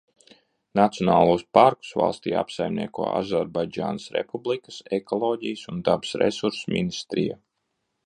Nacionālos parkus valstī apsaimnieko Azerbaidžānas Republikas Ekoloģijas un dabas resursu ministrija.